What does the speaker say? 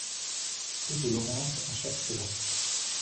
Rue de l'Aurence à Chaptelat